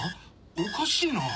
おかしいな。